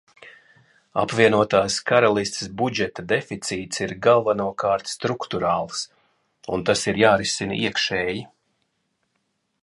Apvienotās Karalistes budžeta deficīts ir galvenokārt strukturāls, un tas ir jārisina iekšēji.